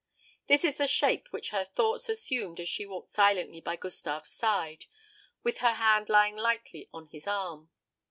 This is the shape which her thoughts assumed as she walked silently by Gustave's side, with her hand lying lightly on his arm.